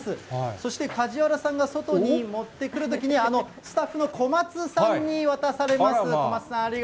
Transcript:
そして梶原さんが外に持ってくるときに、あのスタッフの小松さんに渡されます。